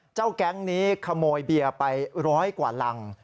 แก๊งนี้ขโมยเบียร์ไปร้อยกว่ารัง